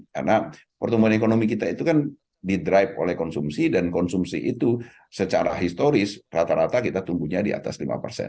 karena pertumbuhan ekonomi kita itu kan didrive oleh konsumsi dan konsumsi itu secara historis rata rata kita tumbuhnya di atas lima persen